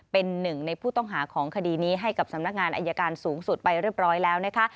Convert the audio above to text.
เป็นหนึ่งในผู้ต้องหาของคดีนี้ให้กับสำนักงานอายการสูงสุดไปเรียบร้อยแล้วนะคะ